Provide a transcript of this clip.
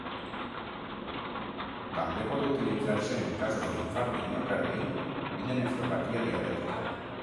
També, pot utilitzar-se en casos d'infart de miocardi i de nefropatia diabètica.